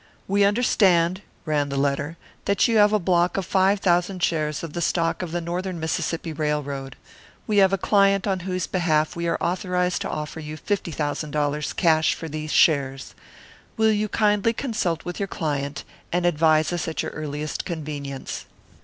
"We understand," ran the letter, "that you have a block of five thousand shares of the stock of the Northern Mississippi Railroad. We have a client on whose behalf we are authorised to offer you fifty thousand dollars cash for these shares. Will you kindly consult with your client, and advise us at your earliest convenience?"